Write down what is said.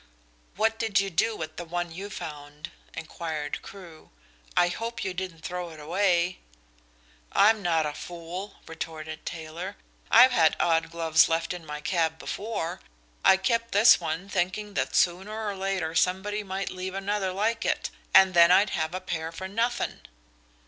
"What did you do with the one you found?" inquired Crewe. "I hope you didn't throw it away?" "I'm not a fool," retorted Taylor. "I've had odd gloves left in my cab before. I kept this one thinking that sooner or later somebody might leave another like it, and then I'd have a pair for nothing."